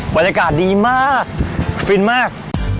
บรรยากาศดีมากฟินมาก